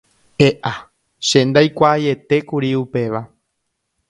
E'a, che ndaikuaaietékuri upéva.